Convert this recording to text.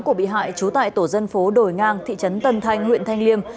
của bị hại trú tại tổ dân phố đồi ngang thị trấn tân thanh huyện thanh liêm